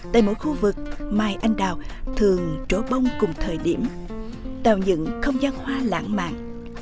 tại mỗi khu vực mai anh đào thường trổ bông cùng thời điểm tạo những không gian hoa lãng mạn